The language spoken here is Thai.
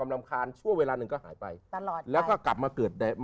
น่าสำคัญชั่วเวลานึงก็หายไปแล้วก็กลับมาเกิดแม้ได้ใหม่